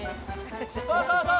そうそうそう。